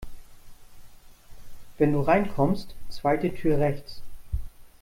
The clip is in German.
Wenn du reinkommst, zweite Tür rechts.